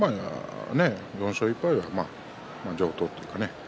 ４勝１敗は上等というかね